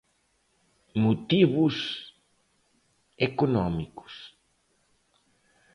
Motivos económicos.